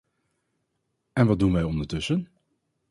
En wat doen wij ondertussen?